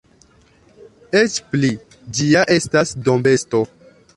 Eĉ pli: ĝi ja estas dombesto.